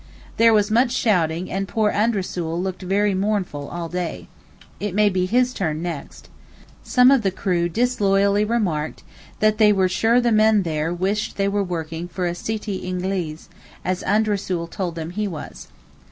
There was much shouting and poor Andrasool looked very mournful all day. It may be his turn next. Some of the crew disloyally remarked that they were sure the men there wished they were working for a Sitti Ingleez, as Andrasool told them he was.